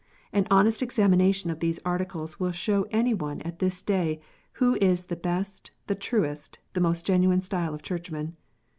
An honest examination of these Articles will show any one at this day who is the best, the truest, the most genuine style of Churchman.